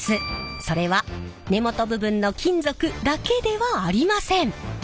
それは根元部分の金属だけではありません。